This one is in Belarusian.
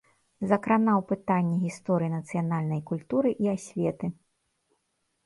Закранаў пытанні гісторыі нацыянальнай культуры і асветы.